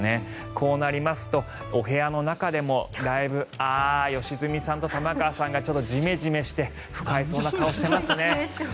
こうなりますとお部屋の中でもだいぶああ、良純さんと玉川さんがちょっとジメジメして不快そうな顔をしていますね。